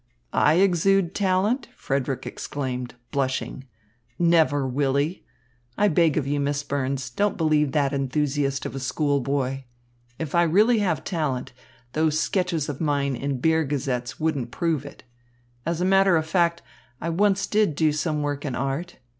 "I exude talent?" Frederick exclaimed, blushing. "Never, Willy. I beg of you, Miss Burns, don't believe that enthusiast of a schoolboy. If I really have talent, those sketches of mine in beer gazettes wouldn't prove it. As a matter of fact, I once did do some work in art.